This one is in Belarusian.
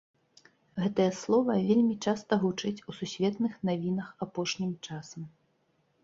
Гэтае слова вельмі часта гучыць у сусветных навінах апошнім часам.